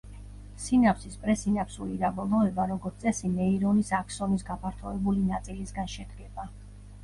სინაფსის პრესინაფსური დაბოლოება, როგორც წესი, ნეირონის აქსონის გაფართოებული ნაწილისგან შედგება.